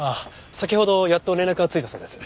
先ほどやっと連絡がついたそうです。